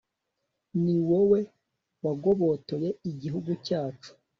ni wowe wagobotoye igihugu cyacu